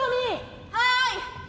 はい。